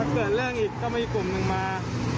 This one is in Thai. เกิดเรื่องอีกก็มีกลุ่มหนึ่งมา